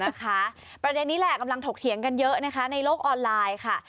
นะคะประเด็นนี้แหละกำลังถกเถียงกันเยอะนะคะในโลกออนไลน์ค่ะ